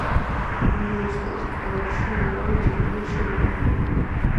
უნივერსიტეტის კორომში უამრავი ძეგლია შემონახული.